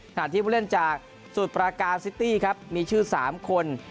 ขณะที่ผู้เล่นจากสูตรปราการซิตี้ครับมีชื่อ๓คน